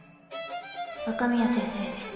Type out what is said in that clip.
若宮先生です